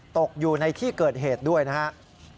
ตกอยู่ในที่เกิดเหตุด้วยนะครับ